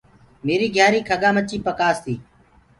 ميري گھيآري کڳآ مڇي پآس تي۔